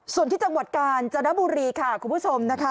ส่วนที่จังหวัดกาญจนบุรีค่ะคุณผู้ชมนะคะ